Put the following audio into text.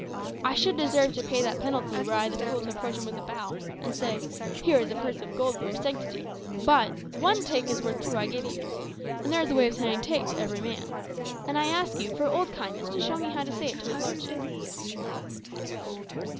"I should deserve to pay that penalty were I the fool to approach him with a bow, and, 'Here is a purse of gold for your sanctity.' But 'one take is worth two I give you's,' and there is a way of saying 'take' to every man. And I ask you, for old kindness, to show me how to say it to his lordship."